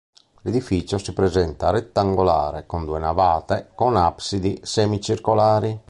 L'edificio si presenta rettangolare con due navate con absidi semicircolari.